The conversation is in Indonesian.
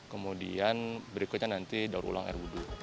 kemudian berikutnya nanti daur ulang air wudhu